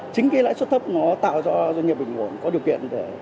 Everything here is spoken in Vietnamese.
chính cái lãi suất thấp nó tạo ra doanh nghiệp bình ổn có điều kiện